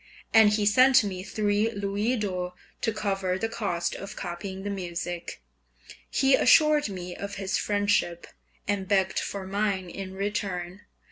And he sent me three louis d'or to cover the cost of copying the music. He assured me of his friendship, and begged for mine in return.